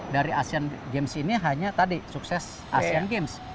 dari asean games ini hanya tadi sukses asean games